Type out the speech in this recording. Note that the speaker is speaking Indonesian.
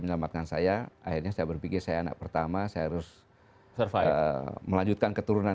menyelamatkan saya akhirnya saya berpikir saya anak pertama saya harus melanjutkan keturunan